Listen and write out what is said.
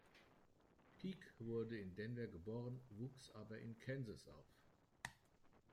Peak wurde in Denver geboren, wuchs aber in Kansas auf.